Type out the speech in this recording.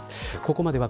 ここまでは